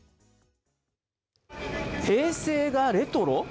平成がレトロ？